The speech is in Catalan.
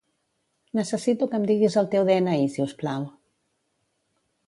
Necessito que em diguis el teu de-ena-i, si us plau.